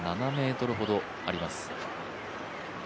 ７ｍほどあります。